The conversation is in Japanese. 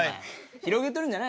広げてるんじゃない。